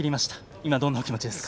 今、どんな気持ちですか？